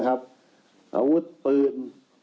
อาวุธปืน